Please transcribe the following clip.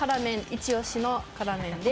イチ押しの辛麺で。